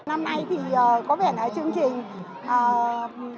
năm nay có vẻ là chương trình bơi thì mở rộng